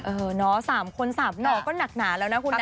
เออเนาะ๓คน๓หน่อก็หนักหนาแล้วนะคุณนะ